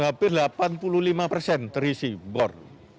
hampir delapan puluh lima persen terisi bor